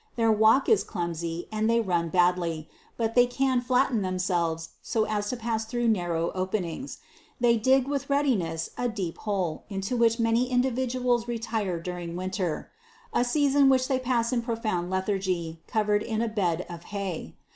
Their walk is clumsy, and they run badly, but they can flatten themselves so as to pass through narrow openings. They dig with readiness a deep hole into which many individuals retire during winter, a season which they pass in profound lethargy, covered in a bed of hay.